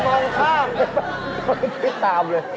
ไม่ตามเลย